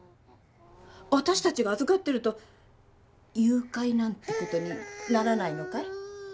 私達が預かってると誘拐なんてことにならないのかい？